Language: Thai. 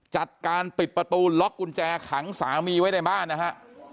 จัดการปิดประตูล็อกกุญแจขังสามีไว้ในบ้านนะฮะ